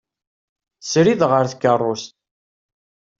Srid ɣer tkerrust.